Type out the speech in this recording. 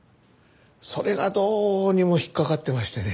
それがどうにも引っかかってましてね。